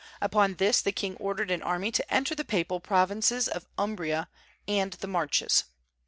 Upon this, the king ordered an army to enter the papal provinces of Umbria and the Marches.